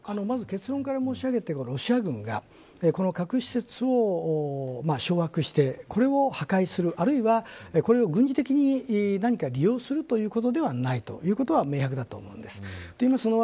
まず結論から申し上げるとロシア軍が核施設を掌握してこれを破壊するあるいは、これを軍事的に何か利用するということではないということは明白だと思います。